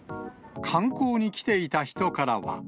観光に来ていた人からは。